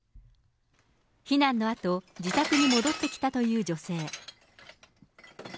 避難のあと、自宅に戻ってきたという女性。